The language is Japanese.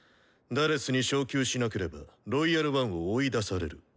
「４」に昇級しなければ「ロイヤル・ワン」を追い出される。